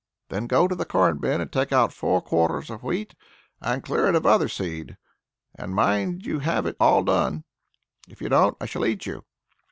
Then go to the corn bin, take out four quarters of wheat, and clear it of other seed. And mind you have it all done if you don't, I shall eat you!"